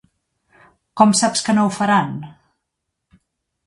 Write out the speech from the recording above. Com saps que no ho faran?